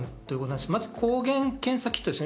まず抗原検査キットですね。